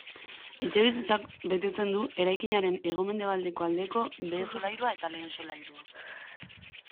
Etxebizitzak betetzen du eraikinaren hego-mendebaldeko aldeko behe-solairua eta lehen solairua.